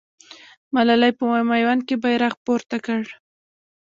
ملالۍ په میوند کې بیرغ پورته کړ.